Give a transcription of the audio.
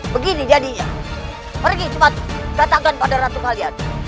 begini jadinya pergi cepat datangkan pada ratu kalian